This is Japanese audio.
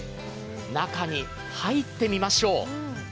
中に入ってみましょう。